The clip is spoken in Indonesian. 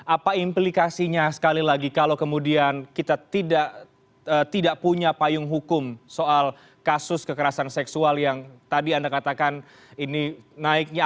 apa implikasinya sekali lagi kalau kemudian kita tidak punya payung hukum soal kasus kekerasan seksual yang tadi anda katakan ini naiknya